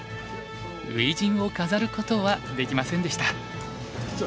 初陣を飾ることはできませんでした。